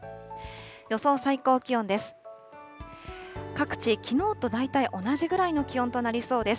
予想最高気温です。